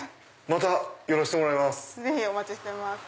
また寄らせてもらいます。